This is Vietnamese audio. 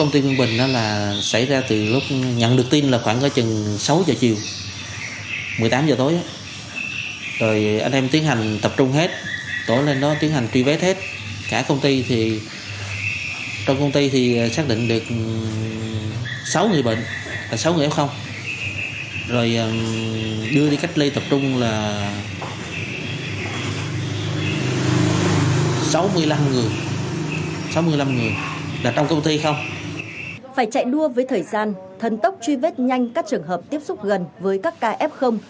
trong quá trình xét nghiệm lực lượng y tế đã phát hiện sáu ca dương tính